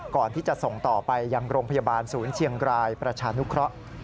ก่อนที่จะส่งต่อไปยังโรงพยาบาลศูนย์เชียงรายประชานุเคราะห์